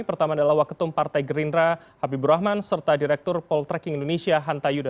pertama adalah waketum partai gerindra habibur rahman serta direktur poltreking indonesia hanta yuda